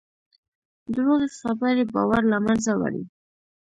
دروغې خبرې باور له منځه وړي.